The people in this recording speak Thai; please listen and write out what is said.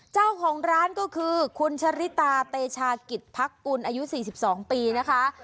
เจ้าของร้านก็คือคุณชะริตาเตชากิจพักกุลอายุ๔๒ปีนะคะ